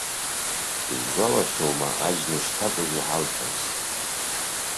Ишәгәалашәома аџьныш ҭакәажә иҳалҳәаз?